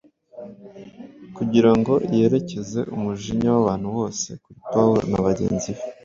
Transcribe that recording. kugira ngo yerekeze umujinya w’abantu wose kuri Pawulo na bagenzi be.